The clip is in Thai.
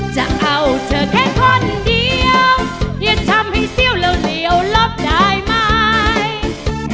จะเอาเธอแค่คนเดียวอย่าทำให้เซี่ยวเหลี่ยวลบได้ไหม